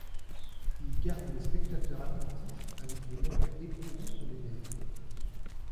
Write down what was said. Il garde les spectateurs attentifs avec des moments éprouvants pour les nerfs.